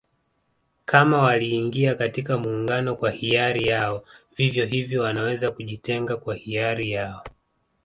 Kama waliingia katika Muungano kwa hiari yao vivyo hivyo wanaweza kujitenga kwa hiari yao